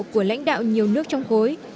của lãnh đạo nhiều nước trong khối